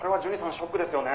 ショックですよね」。